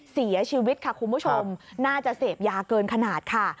เสียชีวิตค่ะคุณผู้ชมน่าจะเสพยาเกินขนาดค่ะ